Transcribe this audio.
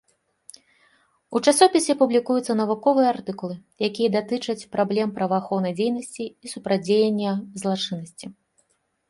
У часопісе публікуюцца навуковыя артыкулы, якія датычаць праблем праваахоўнай дзейнасці і супрацьдзеяння злачыннасці.